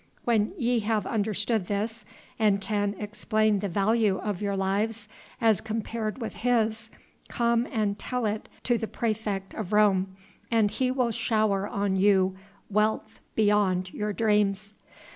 When ye have understood this and can explain the value of your lives as compared with His, come and tell it to the praefect of Rome and he will shower on you wealth beyond your dreams."